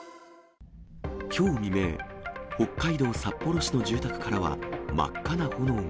きょう未明、北海道札幌市の住宅からは、真っ赤な炎が。